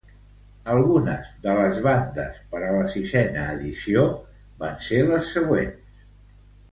Algunes de les bandes per a la sisena edició van ser les següents.